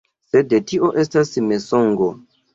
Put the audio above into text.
Sed tio estas mensogo.